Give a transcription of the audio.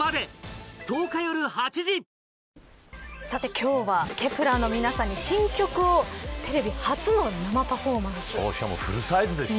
今日はＫｅｐ１ｅｒの皆さんに新曲をテレビ初の生パフォーマンスしていただきました。